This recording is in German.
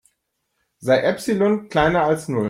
Sei Epsilon kleiner als Null.